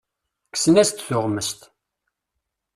Kksen-as-d tuɣmest.